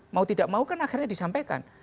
mau tidak mau kan akhirnya disampaikan